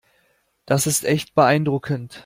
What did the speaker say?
Das ist echt beeindruckend.